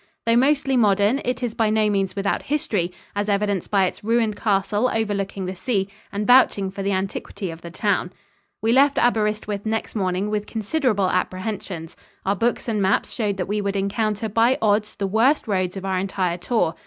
Though mostly modern, it is by no means without history, as evidenced by its ruined castle overlooking the sea and vouching for the antiquity of the town. We left Aberyswith next morning with considerable apprehensions. Our books and maps showed that we would encounter by odds the worst roads of our entire tour.